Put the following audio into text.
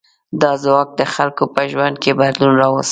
دا ځواک د خلکو په ژوند کې بدلون راوست.